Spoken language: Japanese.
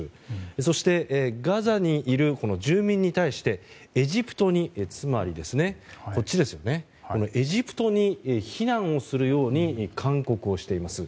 そしてガザにいる住民に対してエジプトに避難するように勧告をしています。